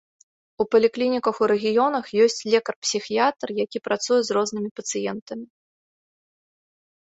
У паліклініках у рэгіёнах ёсць лекар-псіхіятр, які працуе з рознымі пацыентамі.